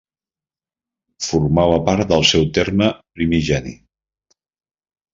Formava part del seu terme primigeni.